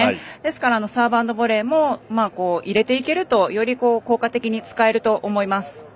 ですから、サーブアンドボレーも入れていけるとより効果的に使えると思います。